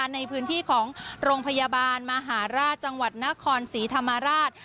ในพื้นที่ของโรงพยาบาลมหาราชจังหวัดนครศรีธรรมราช